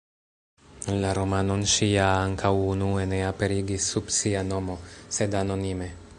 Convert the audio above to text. La romanon ŝi ja ankaŭ unue ne aperigis sub sia nomo, sed anonime.